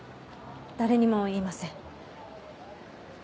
誰にも言いません。